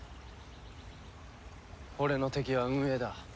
俺の敵は運営だ。